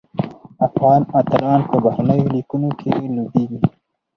افغان اتلان په بهرنیو لیګونو کې لوبیږي.